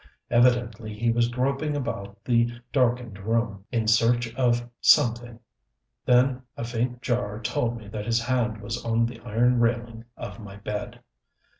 Evidently he was groping about the darkened room, in search of something.... Then a faint jar told me that his hand was on the iron railing of my bed.